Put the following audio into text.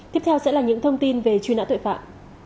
tiếp theo sẽ là những thông tin về truy nã tội phạm